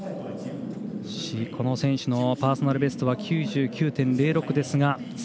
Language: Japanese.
この選手のパーソナルベストは９９．０６ですが。